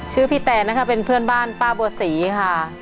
พี่แตนนะคะเป็นเพื่อนบ้านป้าบัวศรีค่ะ